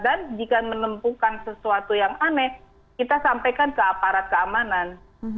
dan jika menempuhkan sesuatu yang aneh kita sampaikan ke aparat keamanan